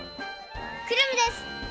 クラムです！